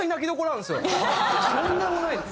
とんでもないです。